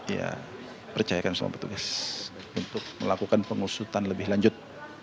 ya percayakan sama petugas untuk melakukan pengusutan lebih lanjut